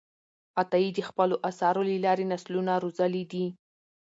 عطایي د خپلو آثارو له لارې نسلونه روزلي دي.